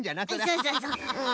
そうそうそううん。